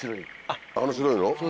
あの白いの？